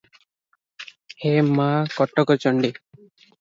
“ହେ ମା’ କଟକଚଣ୍ଡୀ!